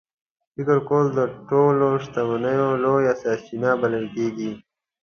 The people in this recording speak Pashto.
فکر کول د ټولو شتمنیو لویه سرچینه بلل کېږي.